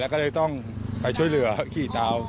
ก็เลยต้องไปช่วยเหลือขี่ตาม